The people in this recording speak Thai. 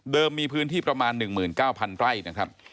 มีพื้นที่ประมาณ๑๙๐๐ไร่นะครับ